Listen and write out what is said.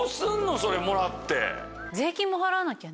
それもらって。